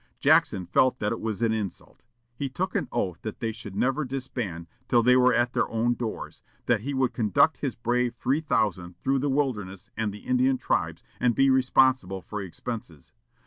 Jackson felt that it was an insult. He took an oath that they should never disband till they were at their own doors; that he would conduct his brave three thousand through the wilderness and the Indian tribes, and be responsible for expenses.